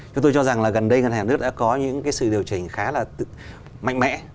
chúng tôi cho rằng là gần đây ngân hàng nước đã có những sự điều chỉnh khá là mạnh mẽ